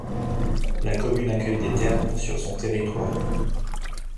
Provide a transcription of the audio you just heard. La commune accueille des thermes sur son territoire.